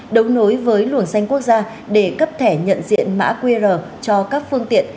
đấu nối với luồng xanh quốc gia để cấp thẻ nhận diện mã qr cho các phương tiện